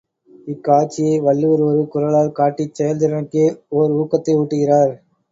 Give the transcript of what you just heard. இக்காட்சியை வள்ளுவர் ஒரு குறளால் காட்டிச் செயல்திறனுக்கே ஓர் ஊக்கத்தை ஊட்டுகிறார்.